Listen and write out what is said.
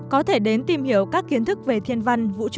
có thể đến tìm hiểu các kiến thức về thiên văn vũ trụ